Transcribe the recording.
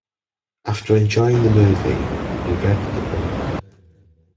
After enjoying the movie, he read the book.